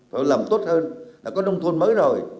phải làm tốt hơn là có nông thôn mới rồi